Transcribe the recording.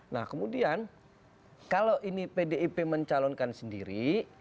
nah kemudian kalau ini pdip mencalonkan sendiri